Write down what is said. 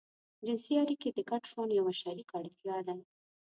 جنسي اړيکې د ګډ ژوند يوه شريکه اړتيا ده.